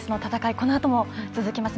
このあとも、続きます。